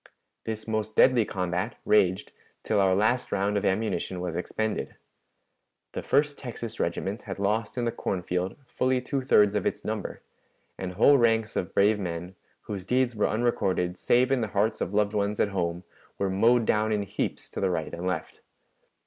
This most deadly combat raged till our last round of ammunition was expended. The First Texas Regiment had lost in the corn field fully two thirds of its number; and whole ranks of brave men, whose deeds were unrecorded save in the hearts of loved ones at home, were mowed down in heaps to the right and left.